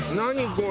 これ。